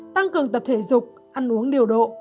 tăng cường tập thể dục ăn uống điều độ